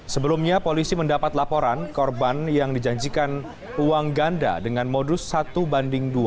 sebelumnya polisi mendapat laporan korban yang dijanjikan uang ganda dengan modus satu banding dua